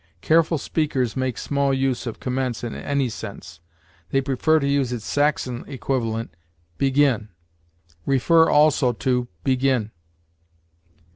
Careful speakers make small use of commence in any sense; they prefer to use its Saxon equivalent, begin. See, also, BEGIN.